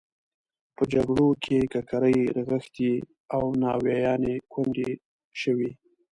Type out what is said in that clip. په جګړو کې ککرۍ رغښتې او ناویانې کونډې شوې.